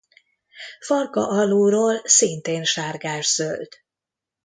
Farka alulról szintén sárgászöld.